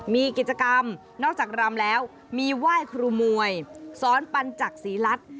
มีกิจกรรมนอกจากรำแล้วมีไหว้ครูมวยสอนปัญจักษีรัฐ